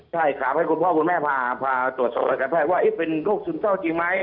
ใช่ครับให้คุณพ่อคุณแม่พาตรวจสอบอาการแพทย์ว่าเป็นโรคซึมเศร้าจริงไหม